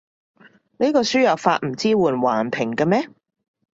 呢個輸入法唔支援橫屏嘅咩？